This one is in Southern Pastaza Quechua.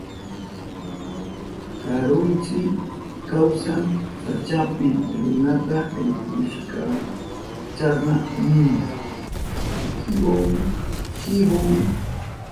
Karuntsi kawsan sachapi. Runata rikushpanka kasna nin: kibon kibon.